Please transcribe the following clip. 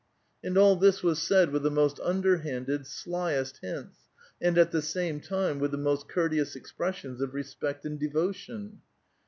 And all this was said with the most underhanded, slyest hints, and, at the same time, with the most courteous expressions of respect and devotion.